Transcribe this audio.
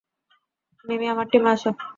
মিমি, আমার টিমে আসো।